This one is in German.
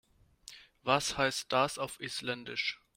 Was heißt das auf Isländisch?